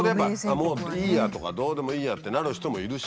もういいやとかどうでもいいやってなる人もいるし。